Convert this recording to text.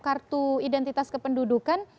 kartu identitas kependudukan